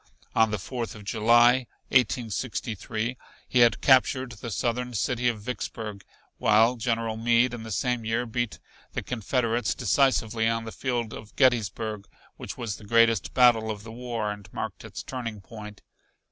On the Fourth of July, 1863, he had captured the Southern city of Vicksburg, while General Meade in the same year beat the Confederates decisively on the field of Gettysburg which was the greatest battle of the war and marked its turning point.